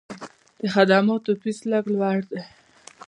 د خدماتو فیس لږ لوړ دی.